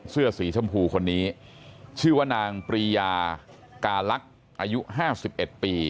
เสื้อสีชมพูคนนี้ชื่อว่านางปรียากาลักษณ์อายุ๕๑ปี